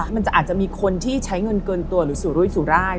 มันจะอาจจะมีคนที่ใช้เงินเกินตัวหรือสุรุยสุราย